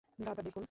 দাদা, দেখুন।